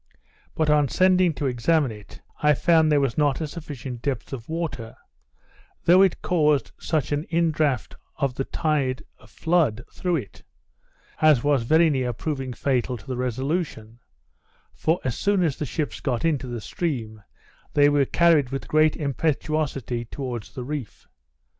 But on sending to examine it, I found there was not a sufficient depth of water; though it caused such an in draught of the tide of flood through it, as was very near proving fatal to the Resolution; for as soon as the ships got into the stream, they were carried with great impetuosity towards the reef.